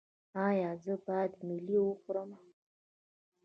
ایا زه باید ملی وخورم؟